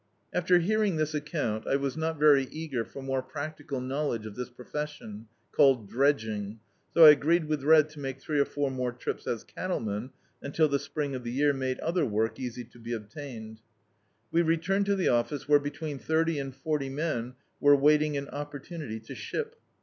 After hearing this account, I was not very eager for more practical knowledge of this professicm, called dredging, so I agreed with Red to make three or four more tiips as cattlemen, until the spring of the year made other work easy to be obtained. We returned to the office, where between thirty and forty men were waiting an opportunity to ship.